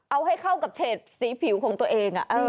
เอาให้เข้ากับเฉดสีผิวของตัวเอง